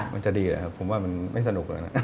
มันจะดีเลยครับผมว่ามันไม่สนุกแล้วนะ